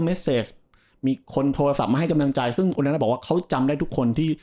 เมสเซสมีคนโทรศัพท์มาให้กำลังใจซึ่งคนนั้นบอกว่าเขาจำได้ทุกคนที่